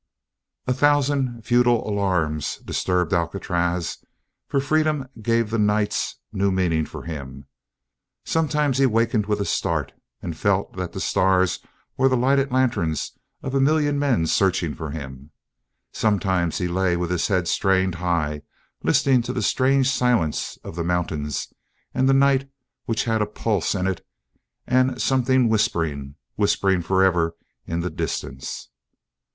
A thousand futile alarms disturbed Alcatraz, for freedom gave the nights new meanings for him. Sometimes he wakened with a start and felt that the stars were the lighted lanterns of a million men searching for him; and sometimes he lay with his head strained high listening to the strange silence of the mountains and the night which has a pulse in it and something whispering, whispering forever in the distance.